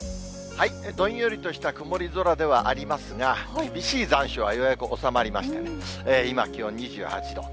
どんよりとした曇り空ではありますが、厳しい残暑はようやく収まりましてね、今、気温２８度。